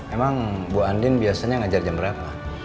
emang bu andin biasanya ngajar jam berapa